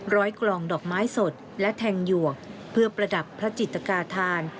กลองดอกไม้สดและแทงหยวกเพื่อประดับพระจิตกาธาน